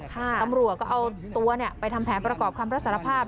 ตำรวจก็เอาตัวไปทำแผนประกอบคำรับสารภาพ